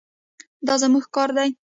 دا زموږ کار دی.